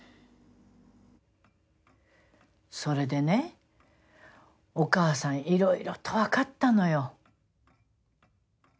それでねお母さんいろいろとわかったのよ。